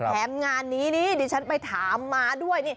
แถมงานนี้ฉันไปถามมาด้วย